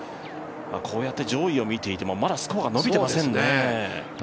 こうやって上位を見ていてもまだスコアが伸びていませんね。